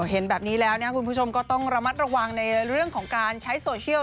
เห็นแบบนี้แล้วคุณผู้ชมก็ต้องระมัดระวังในเรื่องของการใช้โซเชียล